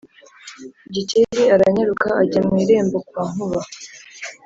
Gikeli aranyaruka ajya mu irembo kwa Nkuba